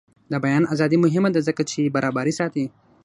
د بیان ازادي مهمه ده ځکه چې برابري ساتي.